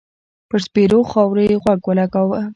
پر سپېرو خاور يې غوږ و لګاوه.